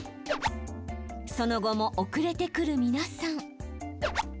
その後も遅れて来る皆さん。